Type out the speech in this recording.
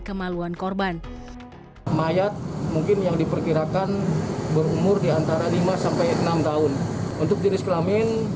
kemaluan korban mayat mungkin yang diperkirakan berumur diantara lima sampai enam tahun untuk jenis kelamin